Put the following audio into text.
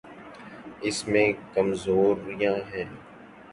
اس میں کمزوریاں ہیں۔